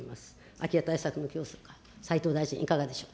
空き家対策の、斉藤大臣、いかがでしょうか。